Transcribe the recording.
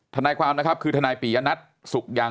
ทนายความนะครับคือทนายปียนัทสุขยัง